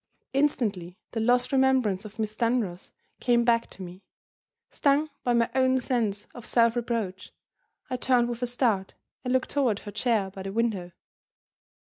Instantly the lost remembrance of Miss Dunross came back to me. Stung by my own sense of self reproach, I turned with a start, and looked toward her chair by the window.